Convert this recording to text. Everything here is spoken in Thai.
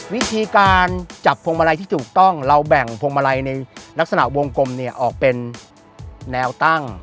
วิธีการจับพวงมาลัยที่ถูกต้องเราแบ่งพวงมาลัยในลักษณะวงกลมเนี่ยออกเป็นแนวตั้ง